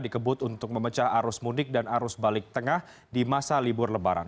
dikebut untuk memecah arus mudik dan arus balik tengah di masa libur lebaran